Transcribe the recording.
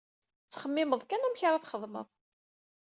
Ttxemmimeɣ kan amek ad xedmeɣ.